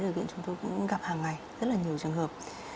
ở viện chúng tôi cũng gặp hàng ngày rất là nhiều trường hợp